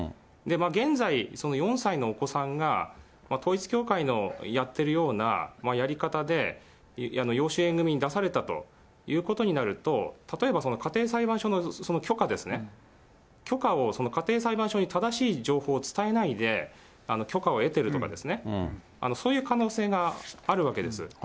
現在４歳のそのお子さんが、統一教会のやってるようなやり方で養子縁組に出されたということになると、例えばその家庭裁判所の許可ですね、許可をその家庭裁判所に正しい情報を伝えないで許可を得ているとか、そういう可能性があるわけですよ。